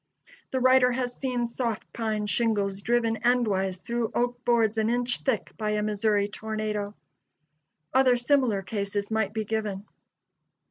The writer has seen soft pine shingles driven endwise through oak boards an inch thick by a Missouri tornado. Other similar cases might be given.